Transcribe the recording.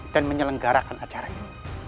dan menyelenggarakan acaranya